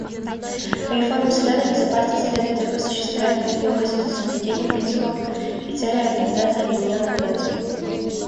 Реформу Совета Безопасности следует осуществлять при неукоснительном соблюдении принципов и целей Организации Объединенных Наций.